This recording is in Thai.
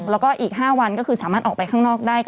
แล้วก็อีก๕วันก็คือสามารถออกไปข้างนอกได้